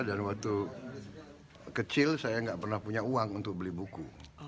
waktu kecil saya nggak pernah punya uang untuk beli buku